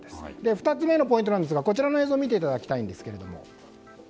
２つ目のポイントですがこの映像を見ていただきたいんです。